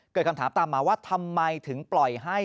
เกิดคำถามตามมาว่าทำไมถึงปล่อยให้